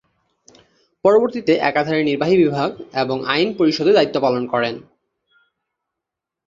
পরবর্তীতে একাধারে নির্বাহী বিভাগ এবং আইন পরিষদে দায়িত্ব পালন করেন।